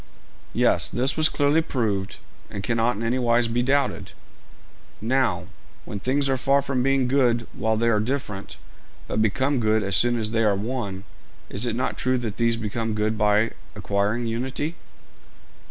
'Yes; this was clearly proved, and cannot in any wise be doubted.' 'Now, when things are far from being good while they are different, but become good as soon as they are one, is it not true that these become good by acquiring unity?'